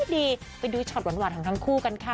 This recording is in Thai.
ดีไปดูช็อตหวานของทั้งคู่กันค่ะ